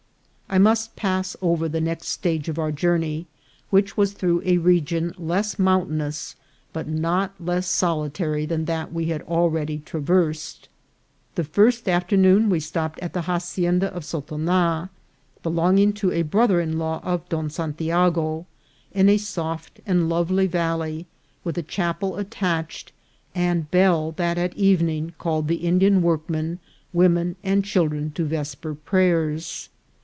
I must pass over the next stage of our journey, which was through a region less mountainous, but not less sol itary than that we had already traversed. The first af ternoon we stopped at the hacienda of Sotana, belong ing to a brother in law of Don Santiago, in a soft and lovely valley, with a chapel attached, and bell that at evening called the Indian workmen, women, and chil dren to vesper prayers.